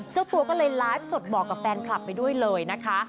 เจ้าตัวก็เลยไลฟ์สดบอกกับแฟนคลับไปด้วยเลยนะคะ